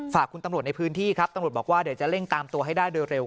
ฝากคุณตำรวจในพื้นที่ครับตำรวจบอกว่าเดี๋ยวจะเร่งตามตัวให้ได้โดยเร็ว